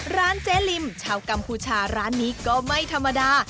ร้านเจ๊ลิมชาวกัมพูชาร้านนี้ก็ไม่ธรรมดา